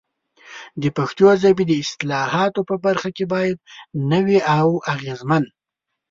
د پښتو ژبې د اصطلاحاتو په برخه کې باید نوي او اغېزمن